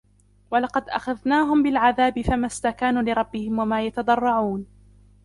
ولقد أخذناهم بالعذاب فما استكانوا لربهم وما يتضرعون